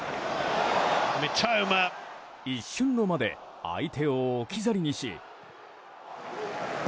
一瞬の間で相手を置き去りにし。